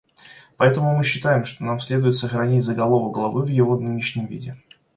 Поэтому мы считаем, что нам следует сохранить заголовок главы в его нынешнем виде.